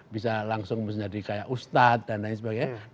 bisa langsung menjadi kayak ustadz dan lain sebagainya